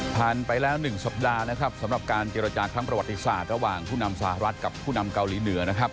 ผ่านไปแล้ว๑สัปดาห์นะครับสำหรับการเจรจาครั้งประวัติศาสตร์ระหว่างผู้นำสหรัฐกับผู้นำเกาหลีเหนือนะครับ